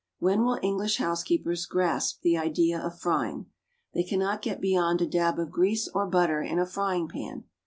When will English housekeepers grasp the idea of frying? They cannot get beyond a dab of grease or butter in a frying pan.